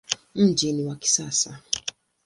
Mji ni wa kisasa.